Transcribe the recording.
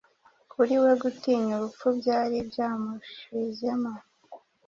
Kuri we gutinya urupfu byari byamushizemo.